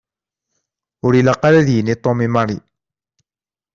Ur ilaq ara ad yini Tom i Mary.